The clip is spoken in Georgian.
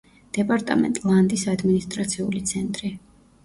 დეპარტამენტ ლანდის ადმინისტრაციული ცენტრი.